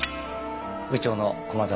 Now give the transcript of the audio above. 部長の駒沢です。